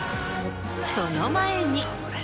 その前に。